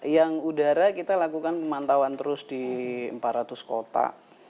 yang udara kita lakukan pemantauan terus di empat ratus kota